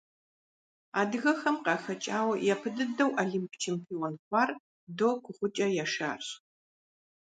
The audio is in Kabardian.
Адыгэхэм къахэкӀауэ япэ дыдэу Олимп чемпион хъуар Догу-ГъукӀэ Яшарщ.